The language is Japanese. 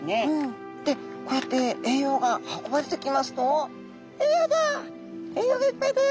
でこうやって栄養が運ばれてきますと「栄養だ！栄養がいっぱいだよ」